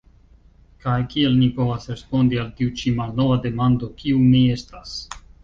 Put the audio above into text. Kaj kiel ni povas respondi al tiu ĉi malnova demando: Kiu mi estas?